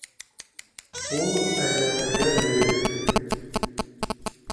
Ул әйләнергә йөрөй.